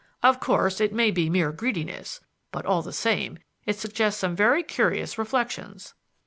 Of course, it may be mere greediness, but all the same it suggests some very curious reflections."